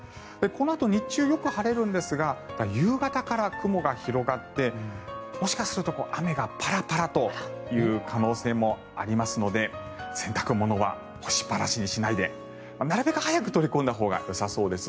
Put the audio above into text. このあと日中はよく晴れるんですが夕方から雲が広がってもしかすると雨がパラパラという可能性もありますので洗濯物は干しっぱなしにしないでなるべく早く取り込んだほうがよさそうです。